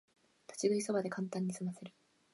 立ち食いそばでカンタンにすませる